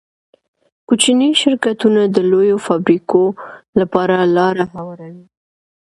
کوچني شرکتونه د لویو فابریکو لپاره لاره هواروي.